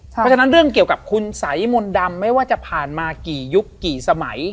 เพราะฉะนั้นเรื่องเกี่ยวกับคุณสัยมนต์ดำไม่ว่าจะผ่านมากี่ยุคกี่สมัย